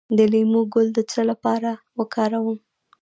د لیمو ګل د څه لپاره وکاروم؟